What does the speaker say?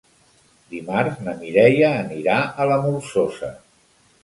Dimarts na Mireia anirà a la Molsosa.